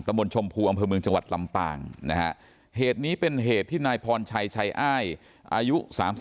มนต์ชมพูอำเภอเมืองจังหวัดลำปางนะฮะเหตุนี้เป็นเหตุที่นายพรชัยชัยอ้ายอายุ๓๒